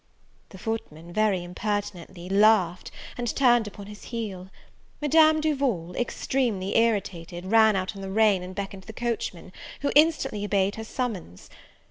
The footman, very impertinently, laughed and turned upon his heel. Madame Duval, extremely irritated, ran out in the rain, and beckoned the coachman, who instantly obeyed her summons.